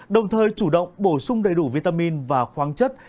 đồng thời chủ động bổ sung đầy đủ vitamin và khoáng chất